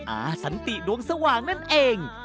อาสันติดวงสว่างนั่นเอง